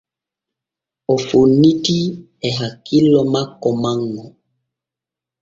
O fonnitii e hakkillo makko manŋo.